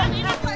agak bangun sih